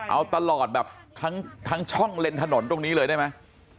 เอาตลอดแบบทั้งช่องเลนถนนตรงนี้เลยได้ไหม